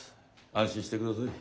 安心してください。